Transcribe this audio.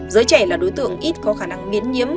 giới trẻ là đối tượng ít có khả năng miến nhiếm